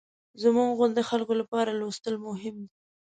زموږ غوندې خلکو لپاره لوستل مهم دي.